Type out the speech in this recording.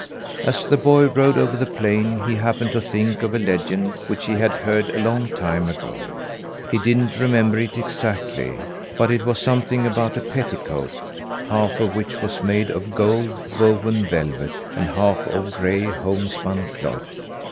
As the boy rode over the plain, he happened to think of a legend which he had heard a long time ago. He didn't remember it exactly, but it was something about a petticoat half of which was made of gold woven velvet, and half of gray homespun cloth.